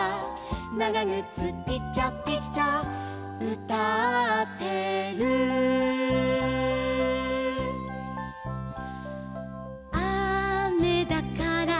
「ながぐつピチャピチャうたってる」「あめだから」